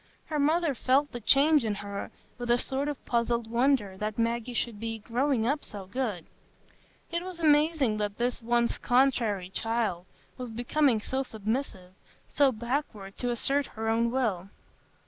Her mother felt the change in her with a sort of puzzled wonder that Maggie should be "growing up so good"; it was amazing that this once "contrairy" child was become so submissive, so backward to assert her own will.